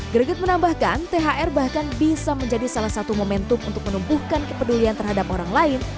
greget menambahkan thr bahkan bisa menjadi salah satu momentum untuk menumbuhkan kepedulian terhadap orang lain